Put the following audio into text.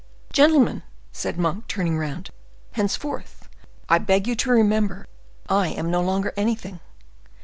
"Gentlemen," said Monk, turning round, "henceforward I beg you to remember that I am no longer anything.